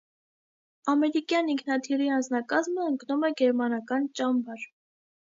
Ամերիկյան ինքնաթիռի անձնակազմը ընկնում է գերմանական ճամբար։